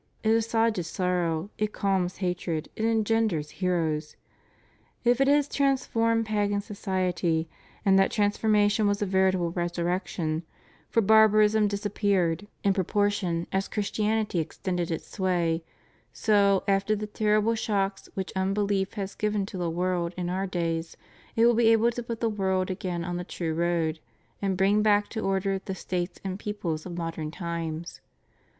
It assuages sorrow, it calms hatred, it engenders heroes. If it has trans formed pagan society — and that transformation was a veritable resurrection — for barbarism disappeared in pro REVIEW OF HIS PONTIFICATE. 567 portion as Christianity extended its sway, so, after the terrible shocks which unbelief has given to the world in our days, it will be able to put that world again on the true road, and bring back to order the states and peoples of modern times.